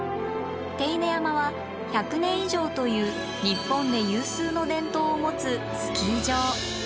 手稲山は１００年以上という日本で有数の伝統を持つスキー場。